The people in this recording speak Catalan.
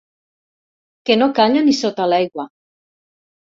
Que no calla ni sota l'aigua.